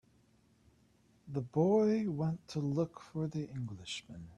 The boy went to look for the Englishman.